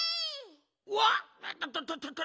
うわっ！とととと。